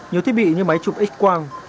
nhiều thiết bị như máy chụp x quang